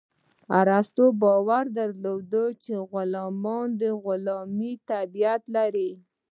ارسطو باور درلود غلامان د غلامي طبیعت لري.